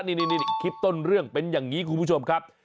นี่คลิปต้นเรื่องเป็นอย่างนี้คุณผู้ชมครับ